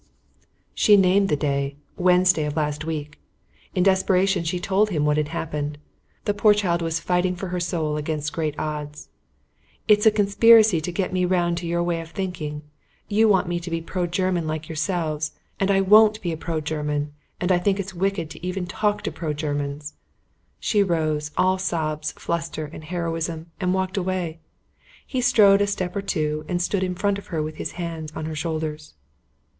She named the day, Wednesday of last week. In desperation she told him what had happened. The poor child was fighting for her soul against great odds. "It's a conspiracy to get me round to your way of thinking. You want me to be a pro German like yourselves, and I won't be a pro German, and I think it wicked even to talk to pro Germans!" She rose, all sobs, fluster, and heroism, and walked away. He strode a step or two and stood in front of her with his hands on her shoulders.